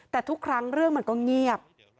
แต่ทุกครั้งเรื่องมันก็เงียบ